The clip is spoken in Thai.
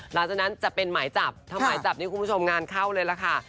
หลังจากนั้นจะเป็นหมายจับถ้าหมายจับนี้คุณผู้ชมงานเข้าเลยล่ะค่ะ